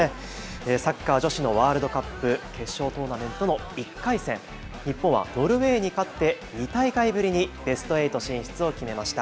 サッカー女子のワールドカップ、決勝トーナメントの１回戦、日本はノルウェーに勝って２大会ぶりにベスト８進出を決めました。